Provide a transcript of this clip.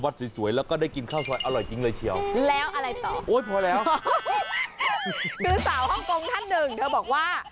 พี่สาวฮ่องกงท่านหนึ่งเธอบอกว่า